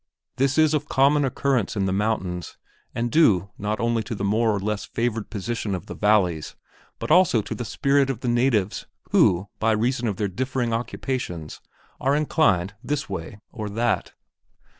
This is of common occurrence in the mountains and due not only to the more or less favored position of the valleys but also to the spirit of the natives who by reason of their differing occupations are inclined this way or that.